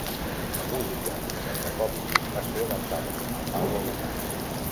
La música de Jacobi va ser adaptada per Pablo Luna.